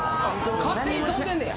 勝手に飛んでんねや。